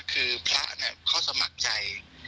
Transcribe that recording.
คือพระเขาสมัครใจ